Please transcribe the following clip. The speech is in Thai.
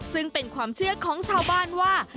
ซึ่งเป็นความเชื่อของชาวบ้านว่า